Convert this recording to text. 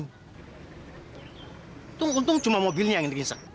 untung untung cuma mobilnya yang ingin dikisat